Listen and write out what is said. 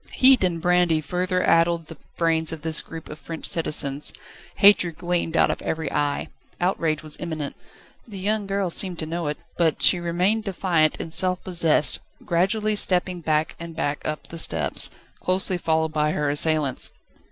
Heat and brandy further addled the brains of this group of French citizens; hatred gleamed out of every eye. Outrage was imminent. The young girl seemed to know it, but she remained defiant and self possessed, gradually stepping back and back up the steps, closely followed by her assailants.